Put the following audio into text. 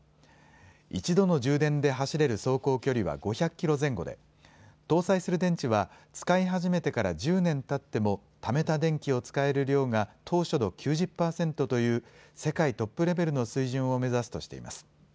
一度の充電で走れる走行距離は５００キロ前後で搭載する電池は使い始めてから１０年たってもためた電気を使える量が当初の９０％という世界トップレベルの水準を目指すとしています。